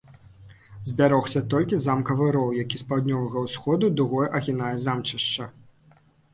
Збярогся толькі замкавы роў, які з паўднёвага усходу дугой агінае замчышча.